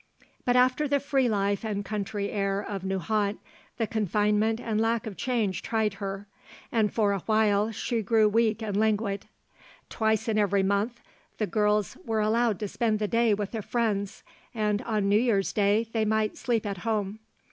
But after the free life and country air of Nohant the confinement and lack of change tried her, and for a while she grew weak and languid. Twice in every month the girls were allowed to spend the day with their friends, and on New Year's Day they might sleep at home.